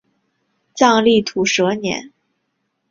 藏历土蛇年。